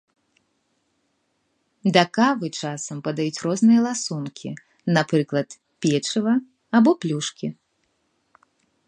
Да кавы часам падаюць розныя ласункі, напрыклад, печыва або плюшкі.